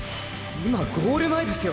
今“ゴール前”ですよ